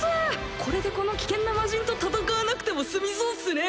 これでこの危険な魔人と戦わなくても済みそうっすね